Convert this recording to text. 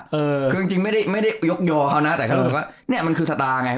คือจริงจริงไม่ได้ไม่ได้ยกยอเขาน่ะแต่เขาเรียกว่าเนี้ยมันคือสตาร์ไง